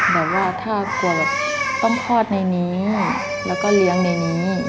บอกว่าถ้าปวดต้องคลอดในนี้แล้วก็เลี้ยงในนี้